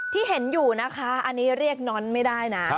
ที่เห็นอยู่นะคะอันนี้เรียกน้อนไม่ได้นะ